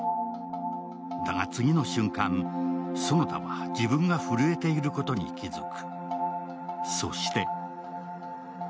だが、次の瞬間、園田は自分が震えていることに気づく。